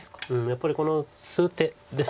やっぱりこの数手です。